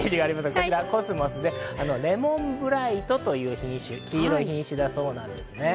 こちら、コスモスでレモンブライトという品種、黄色い品種だそうです。